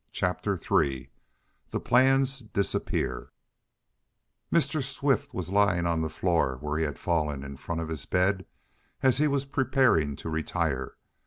Chapter Three The Plans Disappear Mr. Swift was lying on the floor, where he had fallen, in front of his bed, as he was preparing to retire.